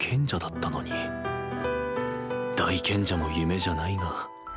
大賢者も夢じゃないが。